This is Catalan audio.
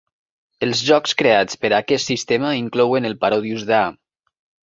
Els jocs creats per a aquest sistema inclouen el Parodius Da!